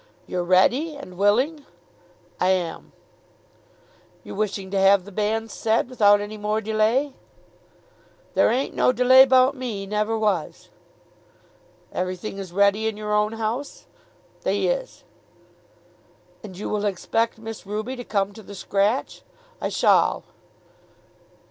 "You're ready, and willing?" "I om." "You're wishing to have the banns said without any more delay?" "There ain't no delay 'bout me; never was." "Everything is ready in your own house?" "They is." "And you will expect Miss Ruby to come to the scratch?" "I sholl."